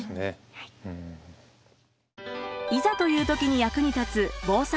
いざという時に役に立つ「防災の知恵」。